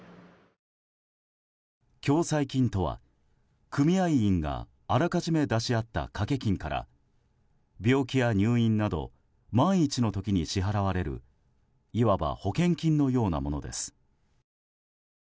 共済金とは、組合員があらかじめ出し合った掛け金から病気や入院など万一の時に支払われるいわば保険金のようなものです。